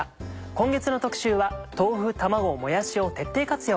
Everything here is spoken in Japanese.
今月の特集は豆腐卵もやしを徹底活用。